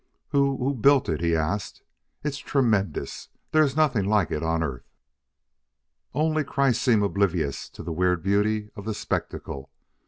"Who who built it?" he asked. "It's tremendous! There is nothing like it on Earth!" Only Kreiss seemed oblivious to the weird beauty of the spectacle.